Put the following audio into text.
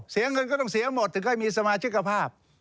เสียเงินก็ต้องเสียหมดถึงให้มีสมาชิกภาพ